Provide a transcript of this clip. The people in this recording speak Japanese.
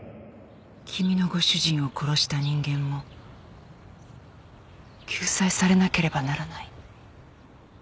君のご主人を殺した人間も救済されなければならない。